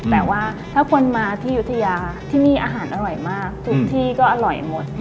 แต่ว่าถ้าคนมาที่ยุธยาที่นี่อาหารอร่อยมากทุกที่ก็อร่อยหมด